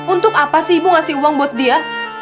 untuk apa sih ibu ngasih uang buat dia